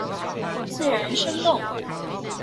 自然生動